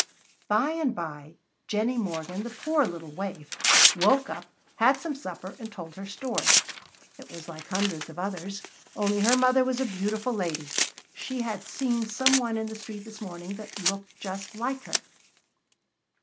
By and by, Jennie Morgan, the poor little waif, woke up, had some supper, and told her story. It was like hundreds of others, only her mother was a beautiful lady. She had seen some one in the street this morning that looked just like her.